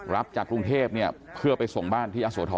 รับจากกรุงเทพเนี่ยเพื่อไปส่งบ้านที่ยะโสธร